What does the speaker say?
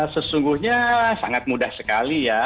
sesungguhnya sangat mudah sekali ya